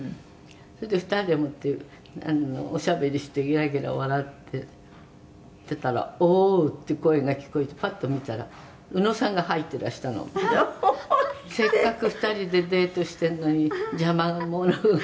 「それで２人でもっておしゃべりしてゲラゲラ笑ってたら“おう！”って声が聞こえてパッと見たら宇野さんが入ってらしたの」「せっかく２人でデートしてるのに邪魔者が」